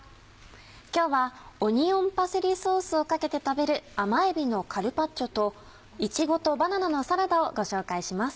今日はオニオンパセリソースをかけて食べる「甘えびのカルパッチョ」と「いちごとバナナのサラダ」をご紹介します。